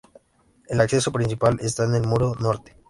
El acceso principal está en el muro norte.